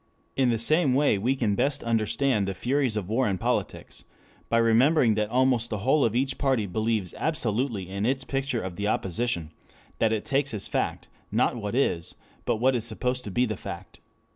In the same way we can best understand the furies of war and politics by remembering that almost the whole of each party believes absolutely in its picture of the opposition, that it takes as fact, not what is, but what it supposes to be the fact.